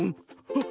あっ！